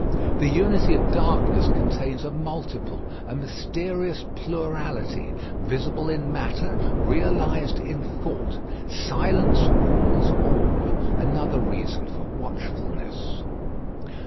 The unity of darkness contains a multiple, a mysterious plurality visible in matter, realised in thought. Silence rules all; another reason for watchfulness.